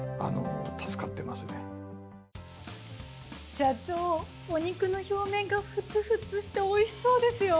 社長お肉の表面がフツフツして美味しそうですよ。